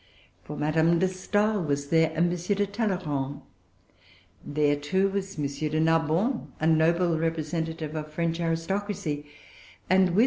For Madame de Staël was there, and M. de Talleyrand. There, too, was M. de Narbonne, a noble representative of French aristocracy; and with M.